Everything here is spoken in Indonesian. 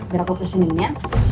biar aku pesenin ya